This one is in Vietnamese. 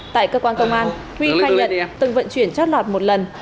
tại cơ quan công an huy khai nhận từng vận chuyển chót lọt một lần